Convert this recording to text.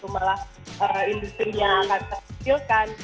mala industri yang akan terstilkan